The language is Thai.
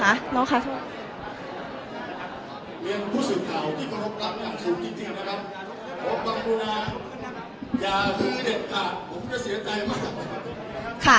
เรียกผู้สื่อข่าวที่เค้ารบรับอย่างถูกจริงจริงนะครับโปรปรับมูลนาอย่าฮือเด็ดกลางผมก็เสียใจมาก